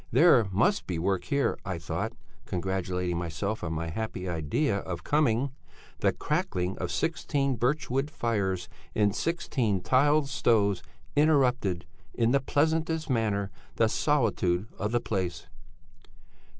There must be work here, I thought, congratulating myself on my happy idea of coming. The crackling of sixteen birchwood fires in sixteen tiled stoves interrupted in the pleasantest manner the solitude of the place."